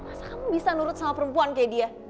masa kamu bisa nurut sama perempuan kayak dia